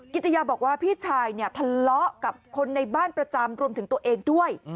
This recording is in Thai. ิตยาบอกว่าพี่ชายเนี่ยทะเลาะกับคนในบ้านประจำรวมถึงตัวเองด้วย